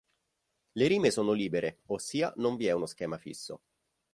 Le rime sono libere, ossia non vi è uno schema fisso.